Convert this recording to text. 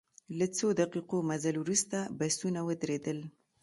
له څو دقیقو مزل وروسته بسونه ودرېدل.